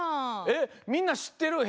えっみんなしってる？